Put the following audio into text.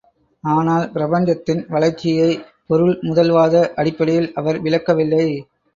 ஆனால் பிரபஞ்சத்தின் வளர்ச்சியை பொருள்முதல்வாத அடிப்படையில் அவர் விளக்கவில்லை.